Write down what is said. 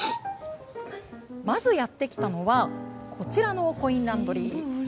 まず、やって来たのはこちらのランドリー。